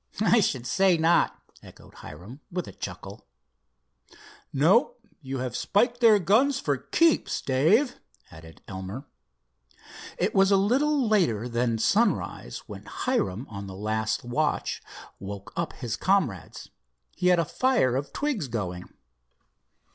"I should say not," echoed Hiram with a chuckle. "No, you have spiked their guns for keeps, Dave," added Elmer. It was a little later than sunrise when Hiram, on the last watch, woke up his comrades. He had a fire of twigs going.